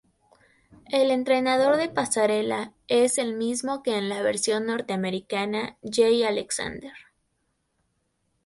El entrenador de pasarela, es el mismo que en la versión norteamericana, Jay Alexander.